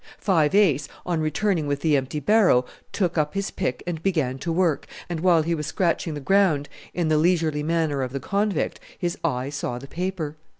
Five Ace, on returning with the empty barrow, took up his pick and began to work, and while he was scratching the ground in the leisurely manner of the convict his eye saw the paper.